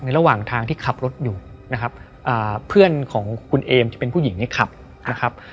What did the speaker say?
ระหว่างทางที่ขับรถอยู่นะครับเพื่อนของคุณเอมที่เป็นผู้หญิงเนี่ยขับนะครับ